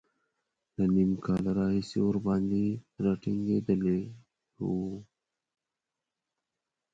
له نیم کال راهیسې ورباندې را ټینګېدلی و.